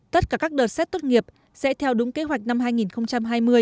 tất cả các đợt xét tốt nghiệp sẽ theo đúng kế hoạch năm hai nghìn hai mươi